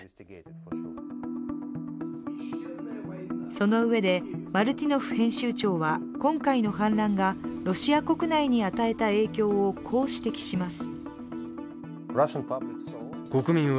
そのうえでマルティノフ編集長は今回の反乱がロシア国内に与えた影響をこう指摘します。